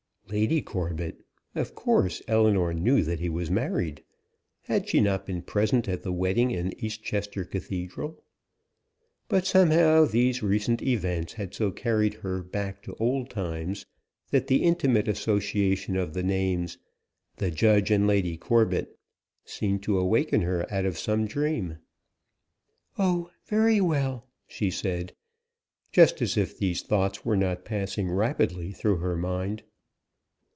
Lady Corbet! Of course Ellinor knew that he was married. Had she not been present at the wedding in East Chester Cathedral? But, somehow, these recent events had so carried her back to old times, that the intimate association of the names, "the Judge and Lady Corbet," seemed to awaken her out of some dream. "Oh, very well," she said, just as if these thoughts were not passing rapidly through her mind.